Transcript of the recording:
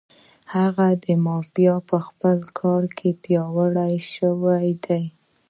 هغه مافیا په خپل کار کې پیاوړې شوې ده.